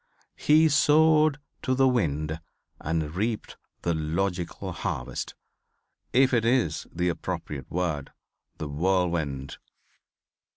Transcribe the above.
He sowed to the wind and reaped the logical harvest, if it is the appropriate word, the whirlwind.